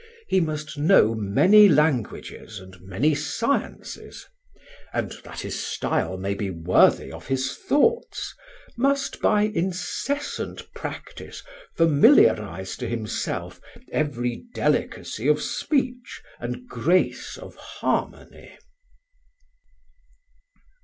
He must know many languages and many sciences, and, that his style may be worthy of his thoughts, must by incessant practice familiarise to himself every delicacy of speech and grace of harmony."